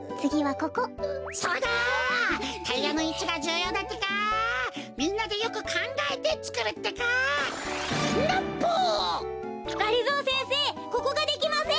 ここができません！